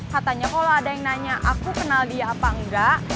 katanya kalau ada yang nanya aku kenal dia apa enggak